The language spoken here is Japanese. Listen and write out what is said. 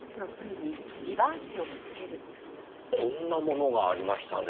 こんなものがありましたね。